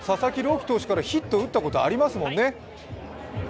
希投手からヒット打ったことありますね。